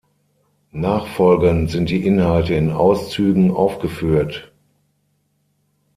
Nachfolgend sind die Inhalte in Auszügen aufgeführt.